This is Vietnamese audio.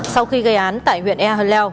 sau khi gây án tại huyện ehleu